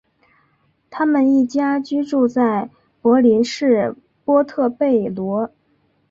他们一家居住在都柏林市波特贝罗。